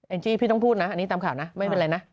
จี้พี่ต้องพูดนะอันนี้ตามข่าวนะไม่เป็นไรนะ